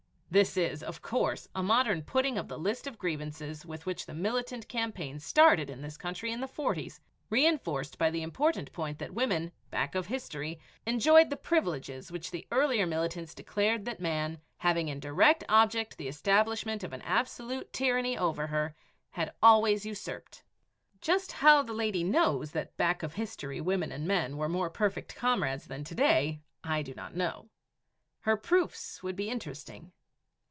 This is, of course, a modern putting of the List of Grievances with which the militant campaign started in this country in the 40's, reënforced by the important point that women "back of history" enjoyed the privileges which the earlier militants declared that man, "having in direct object the establishment of an absolute tyranny over her," had always usurped. Just how the lady knows that "back of history" women and men were more perfect comrades than to day, I do not know. Her proofs would be interesting.